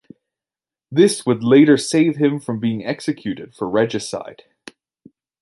This would later save him from being executed for regicide.